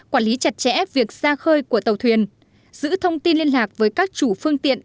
quản lý chặt chẽ việc ra khơi của tàu thuyền giữ thông tin liên lạc với các chủ phương tiện